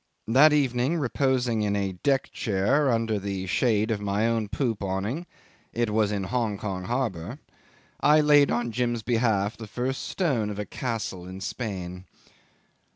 That evening, reposing in a deck chair under the shade of my own poop awning (it was in Hong Kong harbour), I laid on Jim's behalf the first stone of a castle in Spain.